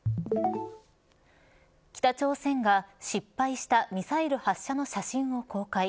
北朝鮮が失敗したミサイル発射の写真を公開。